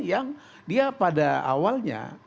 yang dia pada awalnya